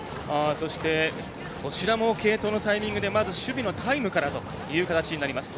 そして、こちらも継投のタイミングで守備のタイムからという形になります。